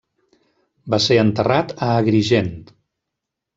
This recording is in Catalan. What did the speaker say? Va ser enterrat a Agrigent.